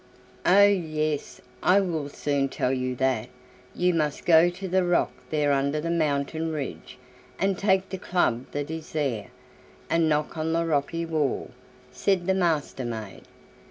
"Oh! yes, I will soon tell you that; you must go to the rock there under the mountain ridge, and take the club that is there, and knock on the rocky wall," said the Master maid.